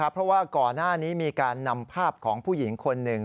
เพราะว่าก่อนหน้านี้มีการนำภาพของผู้หญิงคนหนึ่ง